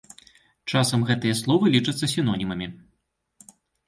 Часам гэтыя словы лічацца сінонімамі.